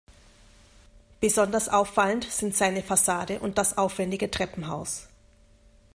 Besonders auffallend sind seine Fassade und das aufwändige Treppenhaus.